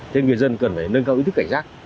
thế người dân cần phải nâng cao ý thức cảnh giác